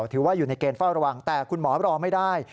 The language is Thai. ถือว่าอยู่ในเกณฑ์เฝ้าระวังแต่คุณหมอรอไม่ได้